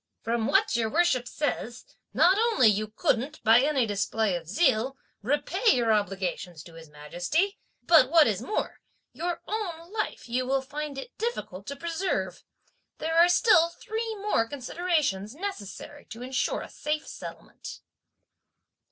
From what your worship says, not only you couldn't, by any display of zeal, repay your obligation to His Majesty, but, what is more, your own life you will find it difficult to preserve. There are still three more considerations necessary to insure a safe settlement."